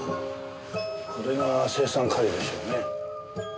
これが青酸カリでしょうねえ。